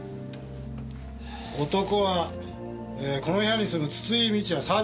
男はこの部屋に住む筒井道也３３歳。